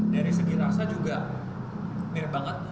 dari segi rasa juga mirip banget